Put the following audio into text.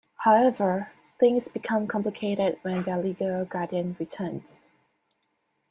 However, things become complicated when their legal guardian returns.